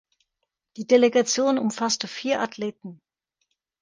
Die Delegation umfasste vier Athleten.